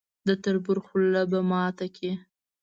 د تربور خوله به ماته کړي.